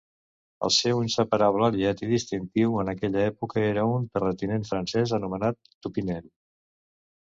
El seu inseparable aliat i distintiu en aquella època era un terratinent francès anomenat Toupinel.